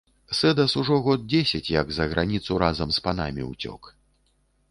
Сэдас ужо год дзесяць, як за граніцу разам з панамі ўцёк.